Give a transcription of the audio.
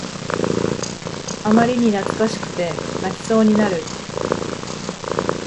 あまりに懐かしくて泣きそうになる